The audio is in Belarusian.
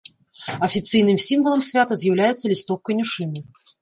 Афіцыйным сімвалам свята з'яўляецца лісток канюшыны.